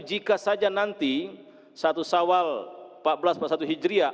jika saja nanti satu sawal empat belas masjid hijriah